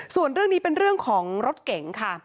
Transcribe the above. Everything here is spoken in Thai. ส่วนเรื่องนี้เป็นเรื่องของรถเก๋งค่ะ